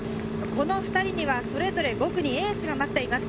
この２人にはそれぞれ５区にエースが待っています。